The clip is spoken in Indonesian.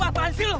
orang banyak biru